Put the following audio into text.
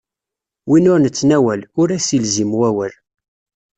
Win ur nettnawal, ur as-ilzim wawal.